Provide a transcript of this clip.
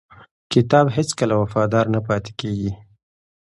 کتاب هیڅکله وفادار نه پاتې کېږي.